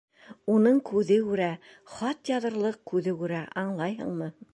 Уның күҙе күрә, хат яҙырлыҡ күҙе күрә, аңлайһыңмы?